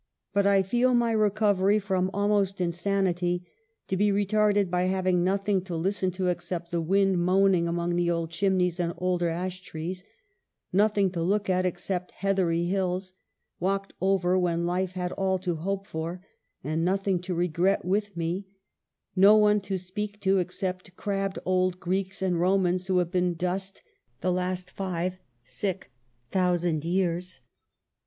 But I feel my recovery from almost insanity to be retarded by having nothing to listen to except the wind moaning among old chimneys and older ash trees — nothing to look at except heathery hills, walked over when life had all to hope for and nothing to regret with me — no one to speak to except crabbed old Greeks and Romans who have been dust the last five thousand years.